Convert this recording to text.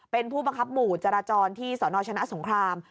เป็นผู้บังคับหมู่จราจรที่สนชนะสงคราม